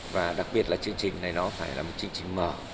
và đặc biệt là chương trình này nó phải là một chương trình mở